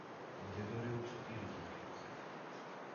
მდებარეობს პირიქით ქედზე.